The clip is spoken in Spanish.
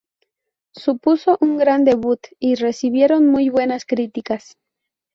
Supuso un gran debut y recibieron muy buenas críticas.